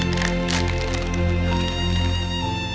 biar dapet aja ya kiki